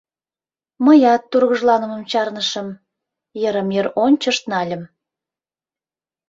Мыят тургыжланымым чарнышым, йырым-йыр ончышт нальым.